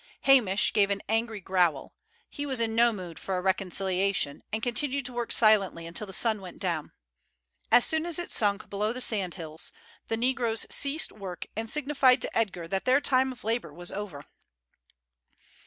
Hamish gave an angry growl; he was in no mood for a reconciliation, and continued to work silently until the sun went down. As soon as it sunk below the sand hills the negroes ceased work, and signified to Edgar that their time of labour was over.